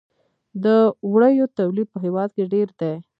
د وړیو تولید په هیواد کې ډیر دی